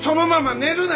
寝るなよ！